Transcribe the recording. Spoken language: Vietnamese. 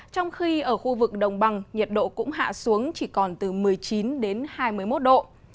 trong khi ở khu vực đồng bằng nhiệt độ cũng hạ xuống chỉ còn từ một mươi chín đến hai mươi một độ